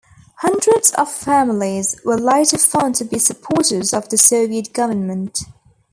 Hundreds of families were later found to be supporters of the Soviet government.